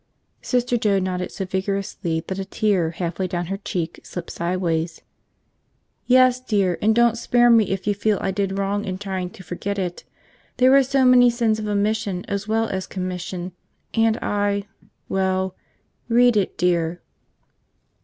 Sister Joe nodded so vigorously that a tear halfway down her cheek slipped sideways. "Yes, dear. And don't spare me if you feel I did wrong in trying to forget it. There are so many sins of omission as well as commission, and I – well, read it, dear."